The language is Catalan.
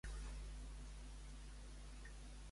Els Mossos registren el pis de l'imam de Manlleu.